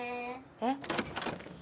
えっ。